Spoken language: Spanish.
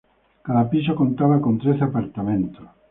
Cada piso contaba con trece apartamentos.